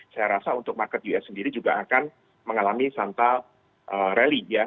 saya rasa untuk market us sendiri juga akan mengalami cental rally ya